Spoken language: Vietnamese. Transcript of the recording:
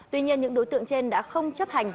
tuy nhiên những đối tượng trên đã không chấp hành